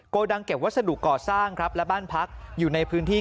ดังเก็บวัสดุก่อสร้างครับและบ้านพักอยู่ในพื้นที่